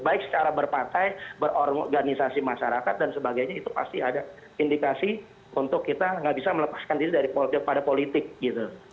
baik secara berpartai berorganisasi masyarakat dan sebagainya itu pasti ada indikasi untuk kita nggak bisa melepaskan diri pada politik gitu